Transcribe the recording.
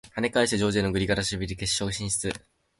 跳ね返してジョージアのグリガラシビリ決勝進出！